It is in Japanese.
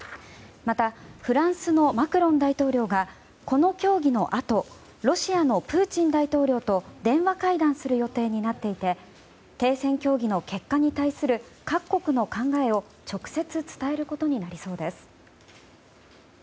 また、フランスのマクロン大統領がこの協議のあとロシアのプーチン大統領と電話会談する予定になっていて停戦協議の結果に対する各国の考えを直接伝えることになりそうです。